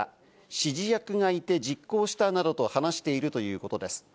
指示役がいて実行したなどと話しているということです。